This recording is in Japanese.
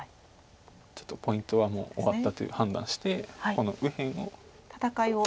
ちょっとポイントはもう終わったという判断してこの右辺を。